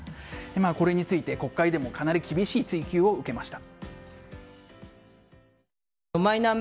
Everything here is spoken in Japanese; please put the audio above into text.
これについて国会でもかなり厳しい追及を受けました。